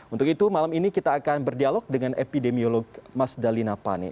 untuk itu malam ini kita akan berdialog dengan epidemiolog mas dalina pane